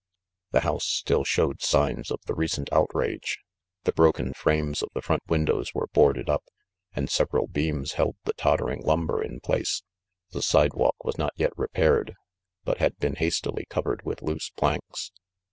The house still showed signs of the recent outrage. The broken frames of the front windows were boarded up, and several beams held the tottering lumber in place. The sidewalk was not yet repaired, but had been hastily covered with loose planks.